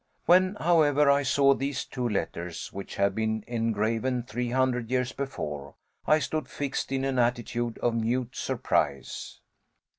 When, however, I saw these two letters, which had been engraven three hundred years before, I stood fixed in an attitude of mute surprise.